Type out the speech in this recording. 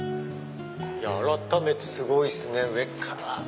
改めてすごいっすね上から。